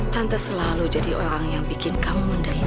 tante selalu jadi orang yang bikin kamu mendayung